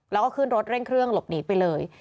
แล้วก็ขึ้นรถเร่งเครื่องหลบหนีไปเลย